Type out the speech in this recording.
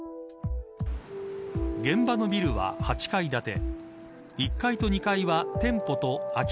現場のビルは８階建て。